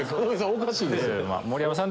おかしいですよ。